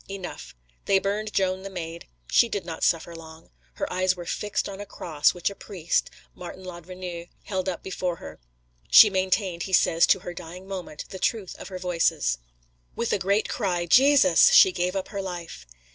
Enough. They burned Joan the Maid. She did not suffer long. Her eyes were fixed on a cross which a priest, Martin l'Advenu, held up before her. She maintained, he says, to her dying moment, the truth of her Voices. With a great cry of JESUS! she gave up her life.